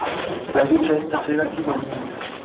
La vintro estas relative milda.